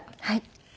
はい。